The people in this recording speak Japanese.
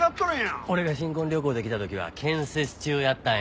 俺が新婚旅行で来た時は建設中やったんや。